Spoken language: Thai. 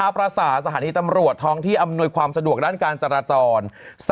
ประสานสถานีตำรวจท้องที่อำนวยความสะดวกด้านการจราจร